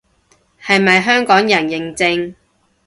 係咪香港人認證